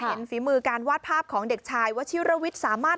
ฝีมือการวาดภาพของเด็กชายวชิรวิทย์สามารถ